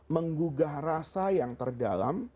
menggugah rasa yang terdalam